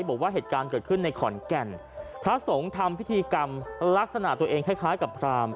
บอกว่าเหตุการณ์เกิดขึ้นในขอนแก่นพระสงฆ์ทำพิธีกรรมลักษณะตัวเองคล้ายคล้ายกับพราม